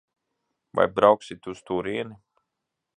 Vai brauksit uz turieni?